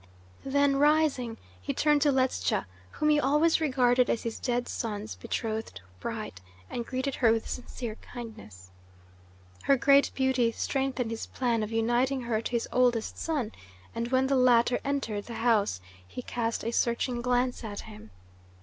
Then, rising, he turned to Ledscha, whom he always regarded as his dead son's betrothed bride, and greeted her with sincere kindness. Her great beauty strengthened his plan of uniting her to his oldest son, and when the latter entered the house he cast a searching glance at him.